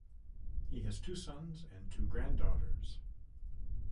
He has two sons and two granddaughters.